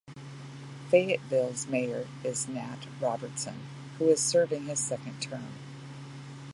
Fayetteville's mayor is Nat Robertson, who is serving his second term.